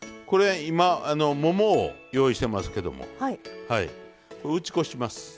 これ今ももを用意してますけども打ち粉します。